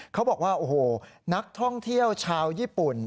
เขาบอกว่าโอ้โหนักท่องเที่ยวชาวญี่ปุ่น